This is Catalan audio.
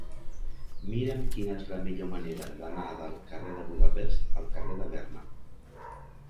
Mira'm quina és la millor manera d'anar del carrer de Budapest al carrer de Berna.